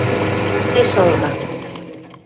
Тӹве шалга.